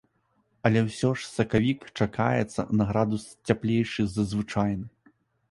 Але ўсё ж сакавік чакаецца на градус цяплейшы за звычайны.